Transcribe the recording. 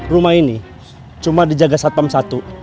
rumah ini cuma dijaga satpam satu